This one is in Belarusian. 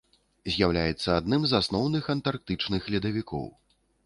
З'яўляецца адным з асноўных антарктычных ледавікоў.